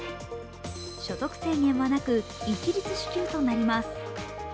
所得制限はなく、一律支給となります。